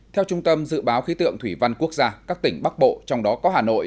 theo trung tâm dự báo khí tượng thủy văn quốc gia các tỉnh bắc bộ trong đó có hà nội